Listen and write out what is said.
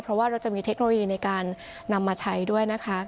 เพราะว่าเราจะมีเทคโนโลยีในการนำมาใช้ด้วยนะคะ